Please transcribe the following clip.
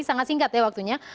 sangat singkat ya waktunya